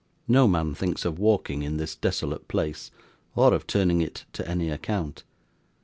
No man thinks of walking in this desolate place, or of turning it to any account.